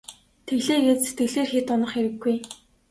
Тэглээ гээд сэтгэлээр хэт унах хэрэггүй.